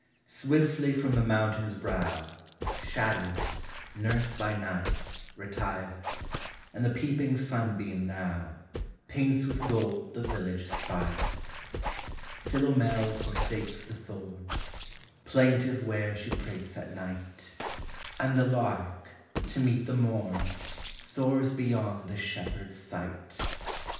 Swiftly from the mountain's brow. Shadows, nursed by night, retire : And the peeping sunbeam now Paints with gold the village spire. Philomel forsakes the thorn, Plaintive where she prates at night; And the lark, to meet the morn, Soars beyond the shepherd's sight.